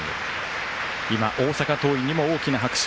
今、大阪桐蔭にも大きな拍手。